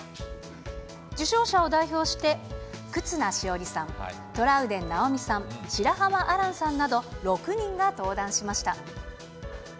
受賞者を代表して忽那汐里さん、トラウデン直美さん、白濱亜嵐さんなど、６人が登壇しました。